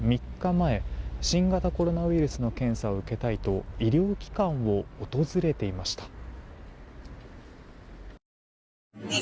３日前新型コロナウイルスの検査を受けたいと医療機関を訪れていました。